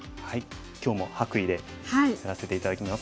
今日も白衣でやらせて頂きます。